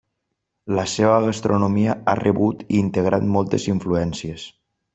La seva gastronomia ha rebut i integrat moltes influències.